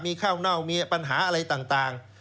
มีข้าวเน่ามีปัญหาอะไรต่าง